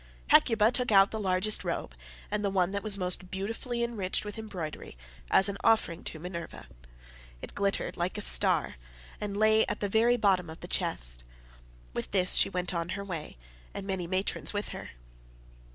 Hecuba took out the largest robe, and the one that was most beautifully enriched with embroidery, as an offering to Minerva: it glittered like a star, and lay at the very bottom of the chest. With this she went on her way and many matrons with her.